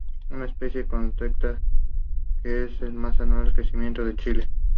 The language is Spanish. Es una especie costera, que es la más austral de crecimiento en Chile.